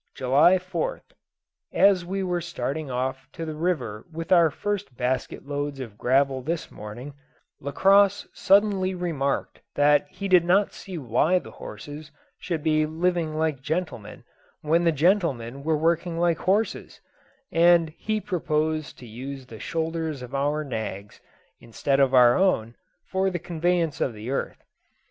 July 4th. As we were starting off to the river with our first basket loads of gravel this morning, Lacosse suddenly remarked that he did not see why the horses should be living like gentlemen when the gentlemen were working like horses; and he proposed to use the shoulders of our nags, instead of our own, for the conveyance of the earth.